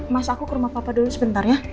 mas aku ke rumah papa dulu sebentar ya